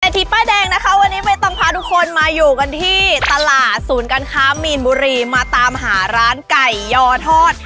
ทีป้ายแดงนะคะวันนี้ไม่ต้องพาทุกคนมาอยู่กันที่ตลาดศูนย์การค้ามีนบุรีมาตามหาร้านไก่ยอทอด